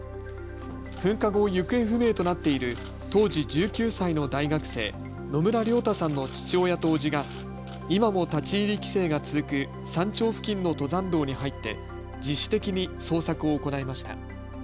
噴火後、行方不明となっている当時１９歳の大学生、野村亮太さんの父親とおじが今も立ち入り規制が続く山頂付近の登山道に入って自主的に捜索を行いました。